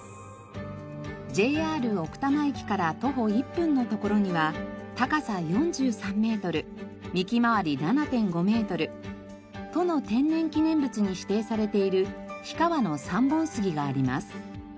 ＪＲ奥多摩駅から徒歩１分の所には高さ４３メートル幹回り７．５メートル都の天然記念物に指定されている氷川の三本杉があります。